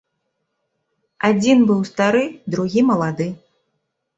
Адзін быў стары, другі малады.